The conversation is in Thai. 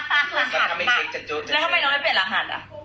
แล้วทำไมน้องไม่เปลี่ยนรหัสอ่ะ